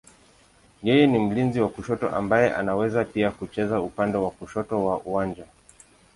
Yeye ni mlinzi wa kushoto ambaye anaweza pia kucheza upande wa kushoto wa uwanja.